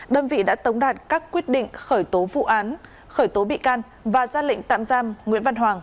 đơn vị đã tống đạt các quyết định khởi tố vụ án khởi tố bị can và ra lệnh tạm giam nguyễn văn hoàng